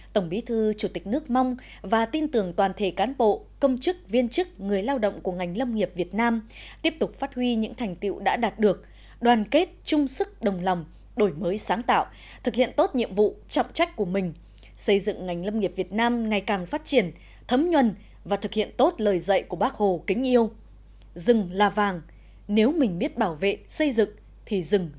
tổng bí thư chủ tịch nước mong và tin tưởng toàn thể cán bộ công chức viên chức người lao động của ngành lâm nghiệp việt nam tiếp tục phát huy những thành tiệu đã đạt được đoàn kết chung sức đồng lòng đổi mới sáng tạo thực hiện tốt nhiệm vụ chọc trách của mình